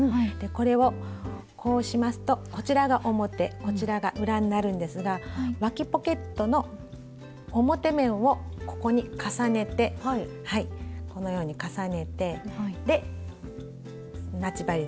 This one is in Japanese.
これをこうしますとこちらが表こちらが裏になるんですがわきポケットの表面をここに重ねてこのように重ねて待ち針で留めます。